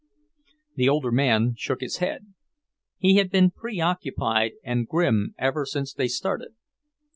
The older man shook his head. He had been preoccupied and grim ever since they started.